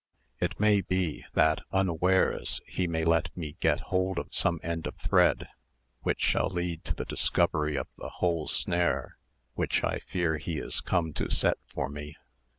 It may be, that unawares he may let me get hold of some end of thread which shall lead to the discovery of the whole snare which I fear he is come to set for me."